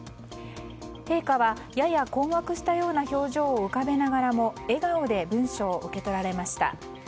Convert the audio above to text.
陛下は、やや困惑したような表情を浮かべながらも笑顔で文書を受け取られました。